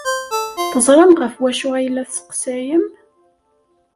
Teẓram ɣef wacu ay la tesseqsayem?